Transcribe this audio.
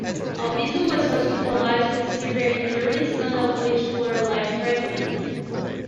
Albizu was hospitalized with severe injuries, none of which were life-threatening.